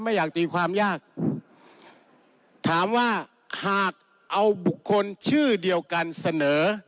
อยากตีความยากถามว่าหากเอาบุคคลชื่อเดียวกันเสนอ